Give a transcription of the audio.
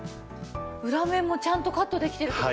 裏面もちゃんとカットできてるって事ですね。